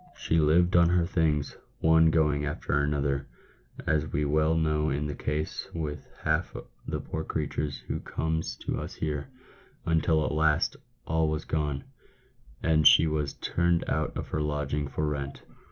She lived on her things, one going after another, as we well know is the case with half the poor creatures who comes to us here, until at last all was gone, and she was turned out of her lodgings for rent."